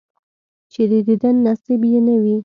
چې د دیدن نصیب یې نه وي،